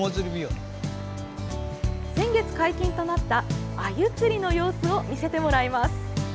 先月、解禁となったアユ釣りの様子を見せてもらいます。